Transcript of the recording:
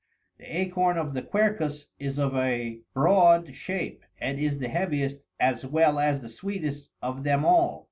The acorn of the quercus is of a broad shape, and is the heaviest as well as the sweetest of them all.